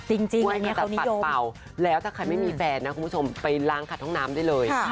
จริงจริงอันนี้เขานิยมแล้วถ้าใครไม่มีแฟนนะคุณผู้ชมไปล้างขัดห้องน้ำได้เลย